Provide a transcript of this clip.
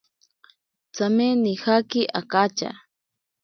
Tsame nijaki akatya.